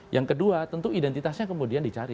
yang kedua tentu identitasnya kemudian dicari